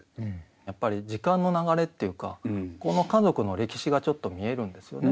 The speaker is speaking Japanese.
やっぱり時間の流れっていうかこの家族の歴史がちょっと見えるんですよね。